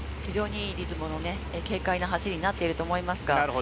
非常にいいリズムの軽快な走りになっていると思います。